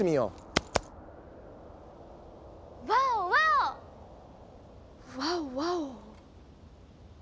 ワーオワオワオ！